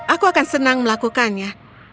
aku akan senang melakukannya